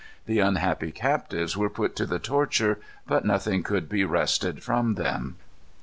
The unhappy captives were put to the torture, but nothing could be wrested from them.